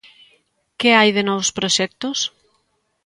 Que hai de novos proxectos?